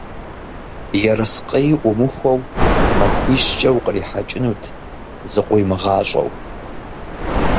Ерыскъыи Ӏумыхуэу, махуищкӏэ укърихьэкӀынут зыкъыуимыгъащӀэу.